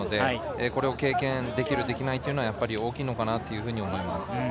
これを経験できる、できないは大きいのかなと思います。